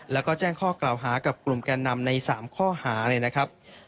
แล้วก็แจ้งข้อกล่าวหากับกลุ่มแกนนำใน๓ข้อหาเลยนะครับ